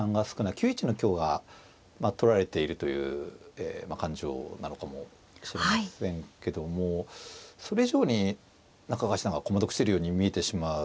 ９一の香が取られているという勘定なのかもしれませんけどもそれ以上に中川八段が駒得してるように見えてしまう。